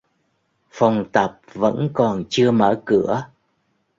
Phòng tập vẫn còn chưa mở cửa